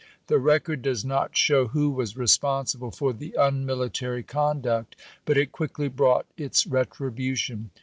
The record does not show who was responsible for the unmilitary conduct, but it quickly brought its retribution.